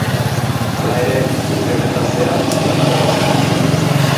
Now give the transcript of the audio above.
Hala ere, urte honetan zehar lana gogor egin du.